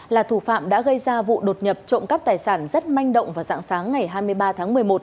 là thủ phạm đã gây ra vụ đột nhập trộm cắp tài sản rất manh động vào dạng sáng ngày hai mươi ba tháng một mươi một